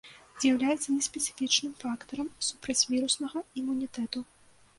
З'яўляецца неспецыфічным фактарам супрацьвіруснага імунітэту.